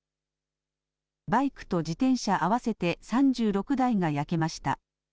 バイクと自転車合わせて３６台が焼けました。